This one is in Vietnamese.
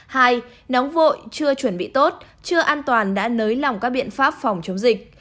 hai nóng vội chưa chuẩn bị tốt chưa an toàn đã nới lỏng các biện pháp phòng chống dịch